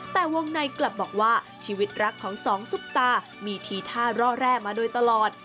แต่วงในกลับบอกว่าชีวิตรักของสองซุปตามีทีท่าร่อแร่มาโดยตลอด